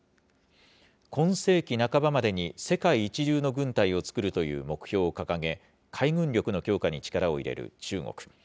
今世紀半ばまでに世界一流の軍隊を作るという目標を掲げ、海軍力の強化に力を入れる中国。